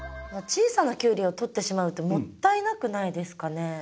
小さなキュウリを取ってしまうってもったいなくないですかね？